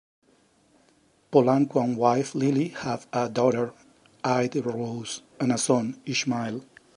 Polanco and wife Lily have a daughter, Aide Rose, and a son, Ishmael.